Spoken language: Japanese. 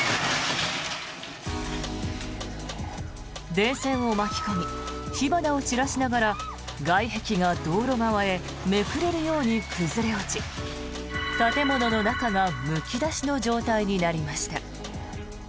電線を巻き込み火花を散らしながら外壁が道路側へめくれるように崩れ落ち建物の中がむき出しの状態になりました。